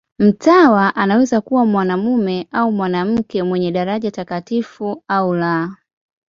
Mtawa anaweza kuwa mwanamume au mwanamke, mwenye daraja takatifu au la.